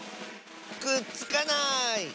くっつかない！